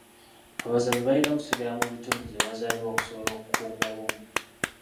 Abazannyi balina okusigala mu bitundu gye bazaalibwa okusobola okukuuma obumu.